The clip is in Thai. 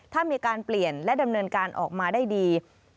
ถ้ามีการเปลี่ยนและดำเนินการออกมาได้ดี